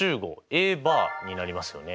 Ａバーになりますよね。